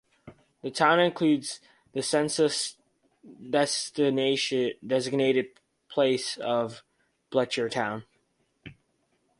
The town includes the census-designated place of Belchertown.